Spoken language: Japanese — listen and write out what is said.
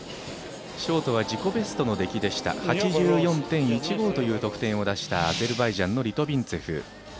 ショートは自己ベストの出来で８４．１５という得点を出したアゼルバイジャンのリトビンツェフ。